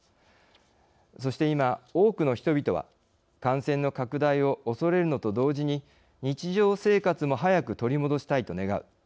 そして今、多くの人々は感染の拡大を恐れるのと同時に日常生活も早く取り戻したいと願う。